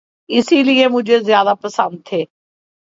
اسی لیے مجھے زیادہ پسند تھے۔